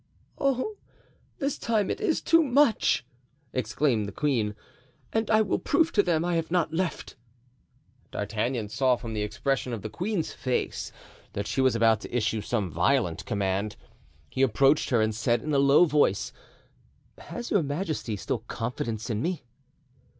"Oh, this time it is too much!" exclaimed the queen, "and I will prove to them I have not left." D'Artagnan saw from the expression of the queen's face that she was about to issue some violent command. He approached her and said in a low voice: "Has your majesty still confidence in me?"